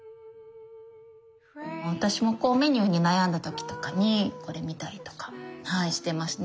私もメニューに悩んだ時とかにこれ見たりとかしてますね。